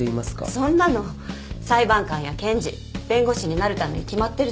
そんなの裁判官や検事弁護士になるために決まってるじゃないですか。